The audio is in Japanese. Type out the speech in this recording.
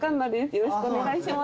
よろしくお願いします。